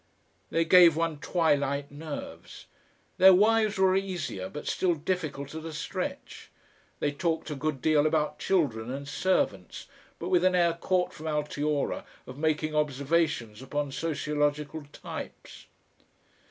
They gave one twilight nerves. Their wives were easier but still difficult at a stretch; they talked a good deal about children and servants, but with an air caught from Altiora of making observations upon sociological types.